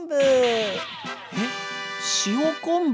えっ塩昆布？